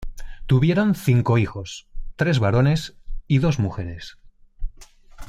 Tuvieron cinco hijos: tres varones y dos mujeres.